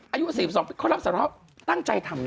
อายุ๔๒ข้อลับสำเร็จตั้งใจทำนะ